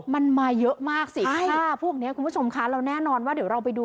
มันมาเยอะมากซิค่ะ